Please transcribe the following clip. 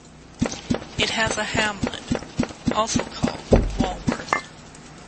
It has a hamlet, also called Walworth.